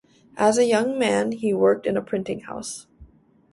As a young man he worked in a printing house.